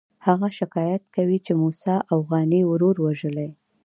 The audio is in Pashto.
هغه شکایت کوي چې موسی اوغاني ورور وژلی.